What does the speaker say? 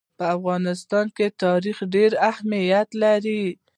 په افغانستان کې تاریخ ډېر اهمیت لري.